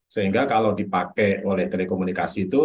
sehingga kalau dipakai oleh telekomunikasi itu